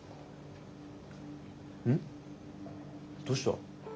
どうした？